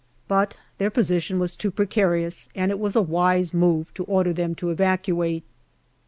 But their position was too precarious, and it was a wise move to order them to evacuate.